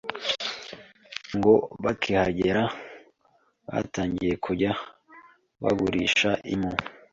Ngo bakihagera batangiye kujya bagurisha impu